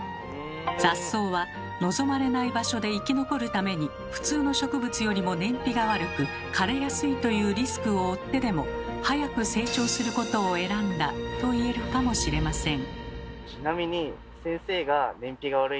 雑草は望まれない場所で生き残るために普通の植物よりも燃費が悪く枯れやすいというリスクを負ってでも早く成長することを選んだと言えるかもしれません。